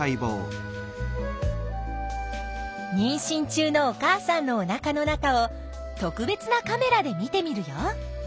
にんしん中のお母さんのおなかの中を特別なカメラで見てみるよ！